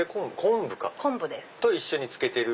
昆布と一緒に漬けてる？